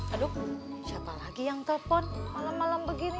aduh siapa lagi yang telpon malam malam begini